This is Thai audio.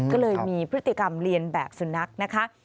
ก็เลยมีพฤติกรรมเรียนแบบสุนัขนะคะ